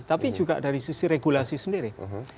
tapi juga dari sisi regulasi sendiri